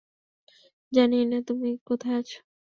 জানিই না তুমি কোথায় আছো।